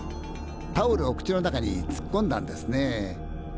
タオルを口の中につっこんだんですねえ。